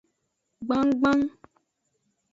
Gbangban.